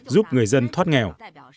giúp người dân thoát nghèo